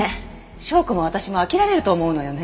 紹子も私も飽きられると思うのよね。